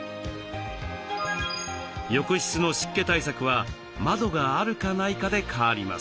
浴室の湿気対策は窓があるかないかで変わります。